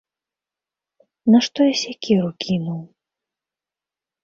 Нашто я сякеру кінуў!